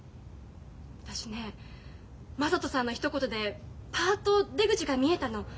私ね雅人さんのひと言でパアッと出口が見えたの。